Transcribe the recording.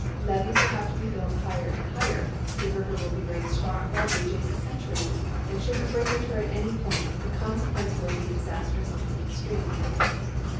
Levees will have to be built higher and higher, the river will be raised far above the adjacent country, and should a break occur at any point, the consequence will be disastrous in the extreme.